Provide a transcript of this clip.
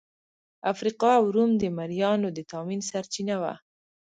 افریقا او روم د مریانو د تامین سرچینه وه.